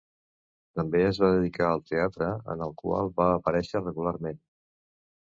També es va dedicar al teatre, en el qual va aparèixer regularment.